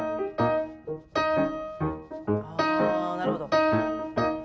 あなるほど。